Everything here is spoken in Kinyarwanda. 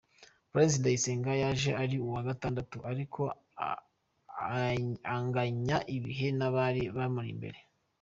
Valens Ndayisenga yaje ari uwa gatandatu ariko anganya ibihe n’abari bamuri imbere.